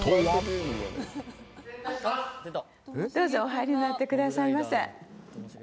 どうぞお入りになってくださいませ。